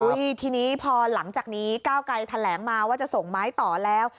ทีนี้พอหลังจากนี้ก้าวไกลแถลงมาว่าจะส่งไม้ต่อแล้ว